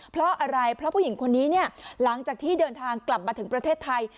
เพราะอะไรเพราะผู้หญิงคนนี้เนี่ยหลังจากที่เดินทางกลับมาถึงประเทศไทย